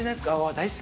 大好き。